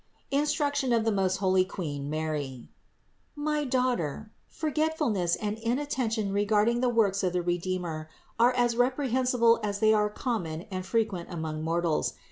INSTRUCTION OF THE MOST HOLY QUEEN MARY. 498. My daughter, forgetfulness and inattention re garding the works of the Redeemer are as reprehensible as they are common and frequent among mortals.